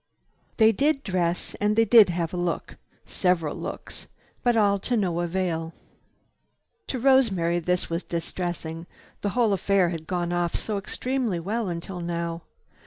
They did dress and they did have a look—several looks, but all to no avail. To Rosemary this was distressing. The whole affair had gone off so extremely well until now.